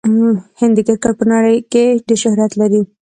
هند د کرکټ په نړۍ کښي ډېر شهرت لري.